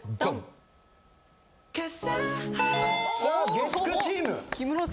月９チーム。